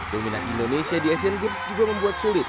dominasi indonesia di asian games juga membuat sulit